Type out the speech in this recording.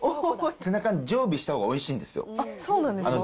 ツナ缶、常備したほうがおいしいそうなんですか？